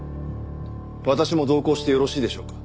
私も同行してよろしいでしょうか？